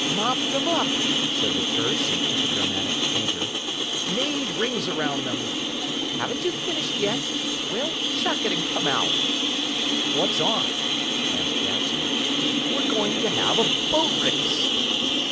"Mopped them up," said the terse and epigrammatic Painter. "Made rings round them. Haven't you finished yet? Well, chuck it, and come out." "What's on?" asked Jackson. "We're going to have a boat race."